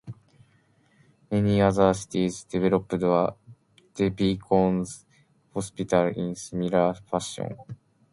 Many other cities developed a deaconess hospital in similar fashion.